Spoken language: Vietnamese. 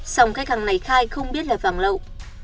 song khách hàng này khai không biết là vàng lậu